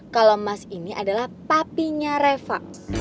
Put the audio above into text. kalau mas ini adalah papinya reva